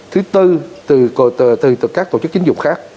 thứ tư từ các tổ chức tín dụng khác